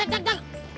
jangan jangan jangan